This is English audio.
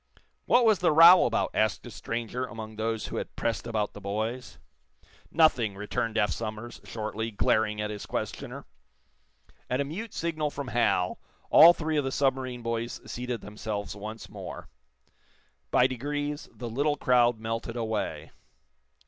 "What was the row about?" asked a stranger among those who had pressed about the boys. "Nothing," returned Eph Somers, shortly, glaring at his questioner. At a mute signal from Hal all three of the submarine boys seated themselves once more. By degrees the little crowd melted away.